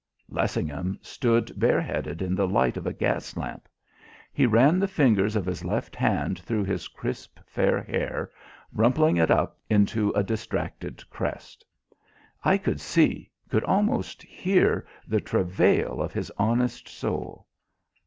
Lessingham stood bare headed in the light of a gas lamp. He ran the fingers of his left hand through his crisp fair hair, rumpling it up into a distracted crest. I could see, could almost hear, the travail of his honest soul.